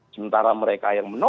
sementara mereka yang menurut